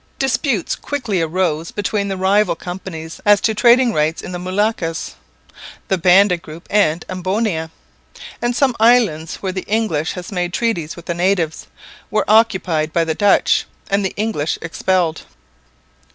Disputes quickly arose between the rival companies as to trading rights in the Moluccas, the Banda group and Amboina; and some islands, where the English had made treaties with the natives, were occupied by the Dutch, and the English expelled.